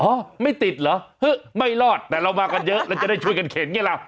ไม่ติดเหรอไม่รอดแต่เรามากันเยอะแล้วจะได้ช่วยกันเข็นไงล่ะ